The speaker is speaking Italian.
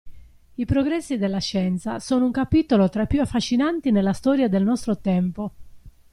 I progressi della scienza sono un capitolo tra i più affascinanti nella storia del nostro tempo.